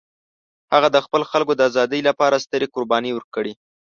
هغه د خپل خلکو د ازادۍ لپاره سترې قربانۍ ورکړې.